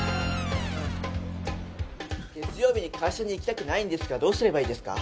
月曜日に会社に行きたくないんですがどうすればいいですか？